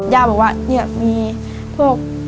ยางบอกว่านี่มีพวก